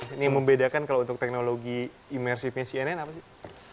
ini membedakan kalau untuk teknologi imersifnya cnn apa sih